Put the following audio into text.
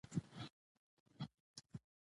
پښتو د خبرونو د حقیقت درک ته وده ورکوي.